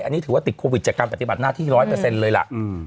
อันนี้ถือว่าติดโควิดจากการปฏิบัติหน้าที่ร้อยเปอร์เซ็นเลยล่ะ